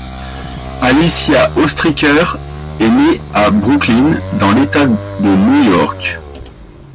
Alicia Ostriker est née à Brooklyn dans l'état de New York.